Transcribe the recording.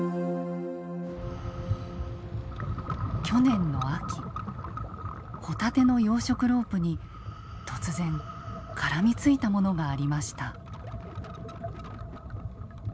去年の秋ホタテの養殖ロープに突然絡みついたものがありました。